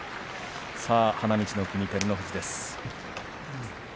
花道の奥に照ノ富士です。